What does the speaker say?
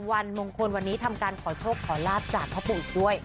วันมงคลวันนี้ทำการขอโชคขอราฐจากพระบุจริงด้วย